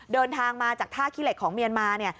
เดินทางมาจากท่าขี้เหล็กของเมียนมาเนี่ย